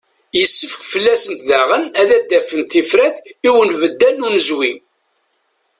Yessefk fell-asent daɣen ad d-afent tifrat i unbeddal n unezwi.